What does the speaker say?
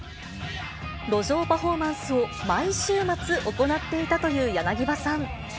路上パフォーマンスを毎週末行っていたという柳葉さん。